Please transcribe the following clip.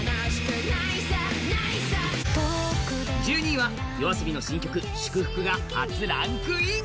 １２位はＹＯＡＳＯＢＩの新曲「祝福」が初ランクイン。